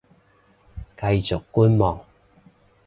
繼續觀望